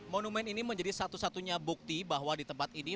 monumen ini menjadi satu satunya bukti bahwa di tempat ini